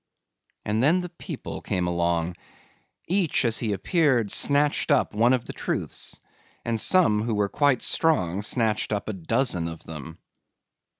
And then the people came along. Each as he appeared snatched up one of the truths and some who were quite strong snatched up a dozen of them.